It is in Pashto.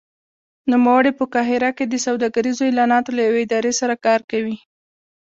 نوموړی په قاهره کې د سوداګریزو اعلاناتو له یوې ادارې سره کار کوي.